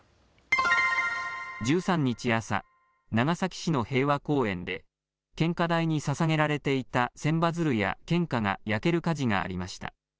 １３日朝、長崎市の平和公園で献花台にささげられていた千羽鶴や献花が焼ける火事がありました。